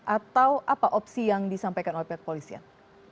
atau apa opsi yang disampaikan oleh pihak polisian